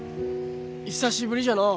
久しぶりじゃのう。